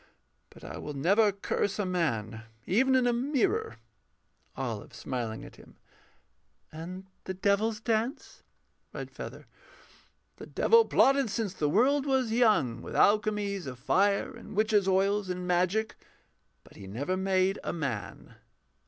But I will never curse a man, Even in a mirror. OLIVE [smiling at him]. And the Devil's dance? REDFEATHER. The Devil plotted since the world was young With alchemies of fire and witches' oils And magic. But he never made a man.